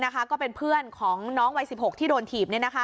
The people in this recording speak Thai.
ก็เป็นเพื่อนของน้องวัย๑๖ที่โดนถีบ